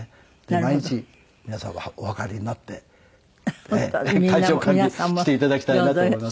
毎日皆さんはお測りになって体調管理して頂きたいなと思います。